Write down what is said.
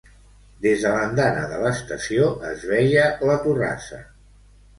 Des de l'andana de l'estació es veia la Torrassa